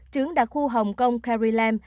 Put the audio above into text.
trưởng đặc khu hồng kông carrie lam